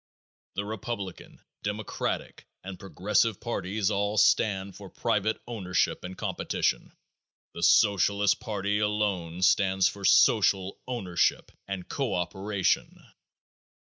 The Republican, Democratic and Progressive parties all stand for private ownership and competition. The Socialist party alone stands for social ownership and co operation.